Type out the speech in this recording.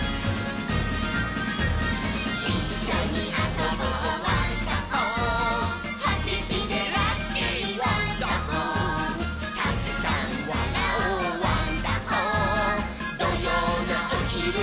「いっしょにあそぼうワンダホー」「ハピピでラッキーワンダホー」「たくさんわらおうワンダホー」「どようのおひるは」